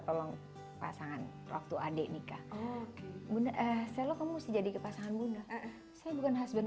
tolong pasangan waktu adik nikah bunda eh selo kamu sih jadi ke pasangan bunda saya bukan hasil